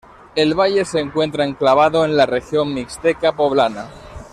El valle se encuentra enclavado en la Región Mixteca Poblana.